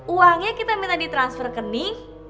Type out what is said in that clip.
uangnya kita minta di transfer ke ning